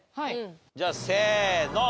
じゃあせーの！